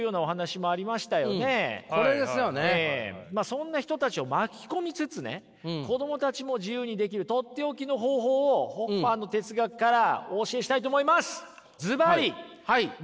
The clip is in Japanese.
そんな人たちを巻き込みつつね子供たちも自由にできる取って置きの方法をホッファーの哲学からお教えしたいと思います！